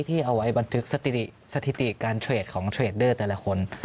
ที่เอาไว้บันทึกสถิติการเทรดของเทรดเดอร์แต่ละคน